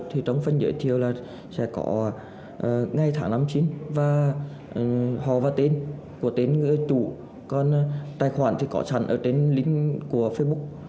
thì trong phần giới thiệu là sẽ có ngày tháng năm chín và họ vào tên của tên người chủ còn tài khoản thì có sẵn ở trên link của facebook